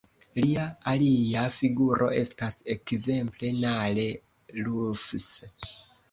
Lia alia figuro estas ekzemple Nalle Lufs.